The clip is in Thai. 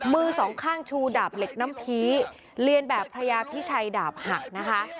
มือสองข้างชูดาบเหล็กน้ำพีเรียนแบบพระยาพิชัยดาบหักนะคะ